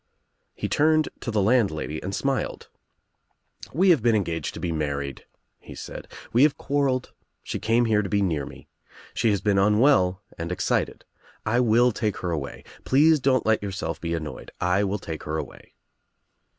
He turned to the landlady and smiled. "We have been engaged to be married," he said. "We have quarreled. She came here to be near me. She has been unwell and excited. I will take her away. Please don't let yourself be annoyed. I will take her away."